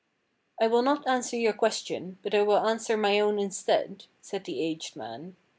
"I will not answer your question, but I will answer my own instead," said the aged man.